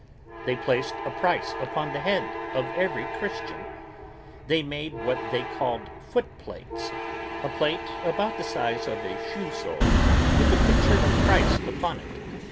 They placed a price upon the head of every Christian. They made what they called footplates, a plate about the size of a shoe sole with a picture of Christ upon it.